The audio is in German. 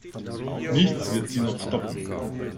Nichts wird sie noch stoppen.